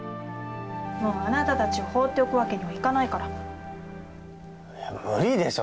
もうあなたたちを放っておくわけにはいかないからいや無理でしょ